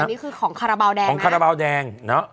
อันนี้คือของคาราเบาแดงนะฮะ